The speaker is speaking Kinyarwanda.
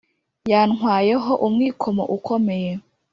Yantwayeho umwikomo ukomeye